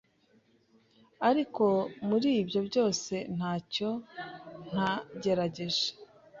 Ariko muri ibyo byose nta cyo ntagerageje.